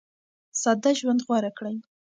ساده ژوند غوره کړئ.